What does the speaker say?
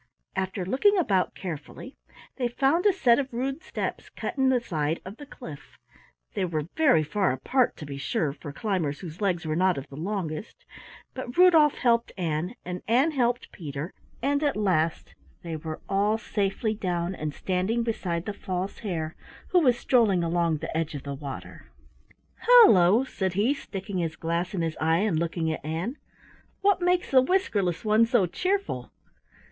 After looking about carefully, they found a set of rude steps cut in the side of the cliff. They were very far apart, to be sure, for climbers whose legs were not of the longest, but Rudolf helped Ann and Ann helped Peter and at last they were all safely down and standing beside the False Hare, who was strolling along the edge of the water. "Hullo," said he, sticking his glass in his eye and looking at Ann. "What makes the whiskerless one so cheerful?"